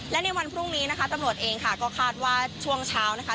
และในวันพรุ่งนี้นะคะตำรวจเองค่ะก็คาดว่าช่วงเช้านะคะ